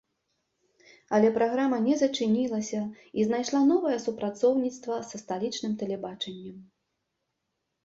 Але праграма не зачынілася і знайшла новае супрацоўніцтва са сталічным тэлебачаннем.